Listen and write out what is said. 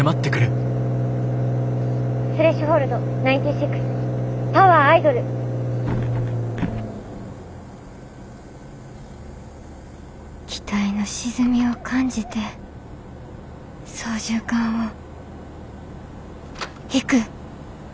心の声機体の沈みを感じて操縦かんを引く。